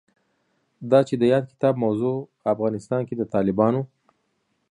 دا چې د یاد کتاب موضوع افغانستان کې د طالبانو